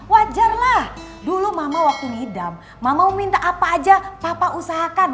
wajarlah dulu mama waktu nidam mama mau minta apa aja papa usahakan